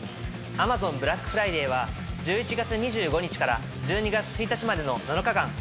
「Ａｍａｚｏｎブラックフライデー」は１１月２５日から１２月１日までの７日間。